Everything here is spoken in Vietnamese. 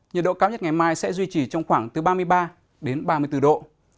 nhiệt độ cao nhất ngày mai sẽ duy trì trong khoảng từ ba mươi ba đến ba mươi bốn độ